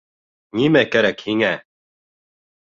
Нимә кәрәк һиңә?!